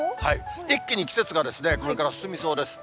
一気に季節が、これから進みそうです。